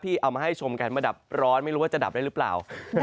เอามาให้ชมกันมาดับร้อนไม่รู้ว่าจะดับได้หรือเปล่า